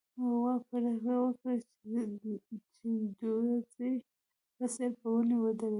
غوا پرېکړه وکړه چې د وزې په څېر په ونې ودرېږي.